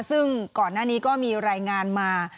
ซึ่งก่อนหน้านี้ก็มีรายงานมา